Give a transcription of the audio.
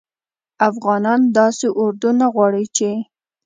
افغانان داسي اردو نه غواړي چې